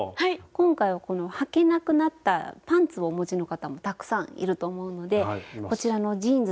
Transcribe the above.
今回はこのはけなくなったパンツをお持ちの方もたくさんいると思うのでこちらのジーンズで挑戦してみて下さい。